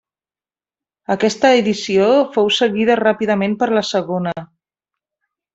Aquesta edició fou seguida ràpidament per la segona.